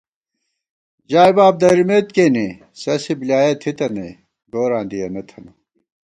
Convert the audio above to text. ژائےباب درِمېت کېنےسَسِی بۡلیایَہ تھِتہ نئ گوراں دِیَنہ تھنہ